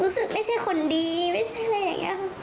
รู้สึกไม่ใช่คนดีไม่ใช่อะไรอย่างนี้ค่ะ